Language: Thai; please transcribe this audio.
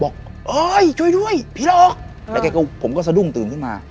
บอกเอ้ยช่วยด้วยผีหลอกแล้วแกก็ผมก็สะดุ้งตื่นขึ้นมา